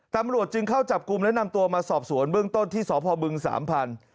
ตำรวจจึงเข้าจับกลุ่มและนำตัวมาสอบสวนเบื้องต้นที่สพบึงสามพันธุ์